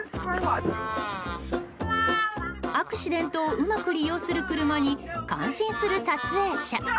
アクシデントをうまく利用する車に感心する撮影者。